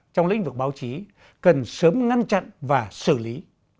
trong lĩnh vực báo chí cần sớm ngăn chặn và xử lý